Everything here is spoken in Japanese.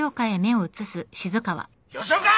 吉岡！